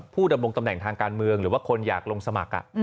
ดำรงตำแหน่งทางการเมืองหรือว่าคนอยากลงสมัคร